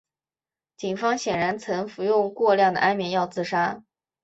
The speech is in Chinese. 警方显然曾服用过量的安眠药自杀。